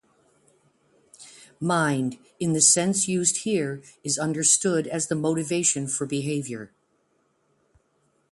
'Mind'-in the sense used here-is understood as the motivation for behavior.